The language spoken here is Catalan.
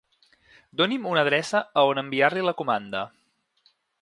Doni'm una adreça a on enviar-li la comanda.